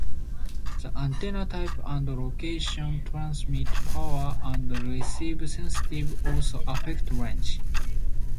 The antenna type and location, transmit power and receive sensitivity also affect range.